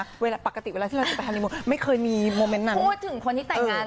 เดี๋ยวนะปกติเวลาที่เราจะไปฮาร์นีมูนไม่เคยมีโมเมนท์นั้น